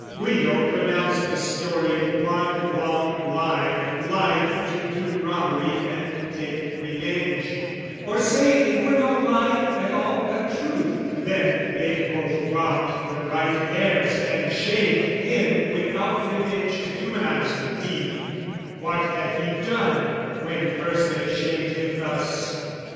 Guido pronounced the story one long lie Lied to do robbery and take revenge: Or say it were no lie at all but truth, Then, it both robbed the right heirs and shamed him Without revenge to humanise the deed: What had he done when first they shamed him thus?